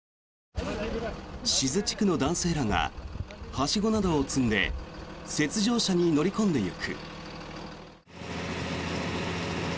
志津地区の男性らがはしごなどを積んで雪上車に乗り込んでいく。